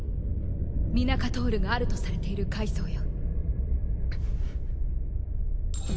ミナカトールがあるとされている階層よ。